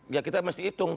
ya kita mesti hitung